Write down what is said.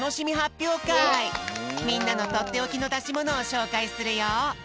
みんなのとっておきのだしものをしょうかいするよ。